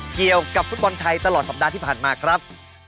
เกี่ยวกับฟุตบอลไทยตลอดสัปดาห์ที่ผ่านมาครับ